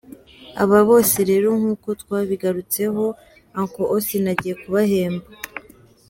Aba bose rero nkuko twabigarutseho Uncle Austin agiye kubahemba.